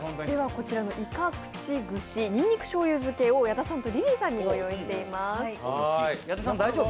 こちらのいか口串にんにく醤油漬けを矢田さんとリリーさんに御用意しています。